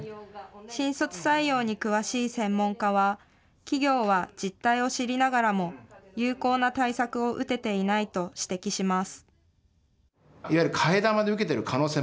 新卒採用に詳しい専門家は、企業は実態を知りながらも、有効な対策を打てていないと指摘します。